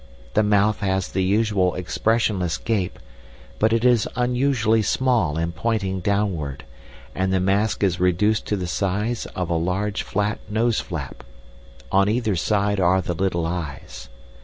The mouth has the usual expressionless gape, but it is unusually small and pointing downward, and the mask is reduced to the size of a large flat nose flap. On either side are the little eyes.